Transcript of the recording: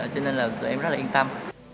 cho nên là bọn em rất là yên tâm